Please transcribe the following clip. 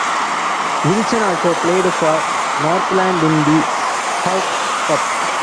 Wilson also played for Northland in the Hawke Cup.